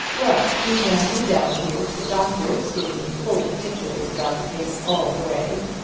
Well, he ran me down here to the doctor's, giving me full particulars about the case all the way.